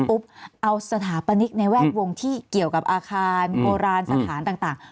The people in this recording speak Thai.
เอาสถาปนิกในแวดวงที่เกี่ยวกับอาคารโบราณสถานต่าง